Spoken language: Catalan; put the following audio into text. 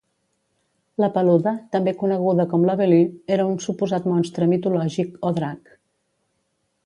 La Peluda també coneguda com La Velue era un suposat monstre mitològic o drac